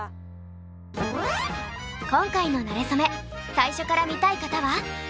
今回の「なれそめ」最初から見たい方は。